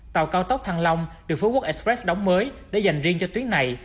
tàu cao tốc thăng long được phú quốc express đóng mới để dành riêng cho tuyến này